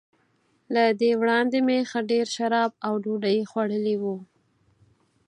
له دې وړاندي مې ښه ډېر شراب او ډوډۍ خوړلي وو.